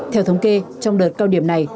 theo thống kê trong đợt cao điểm này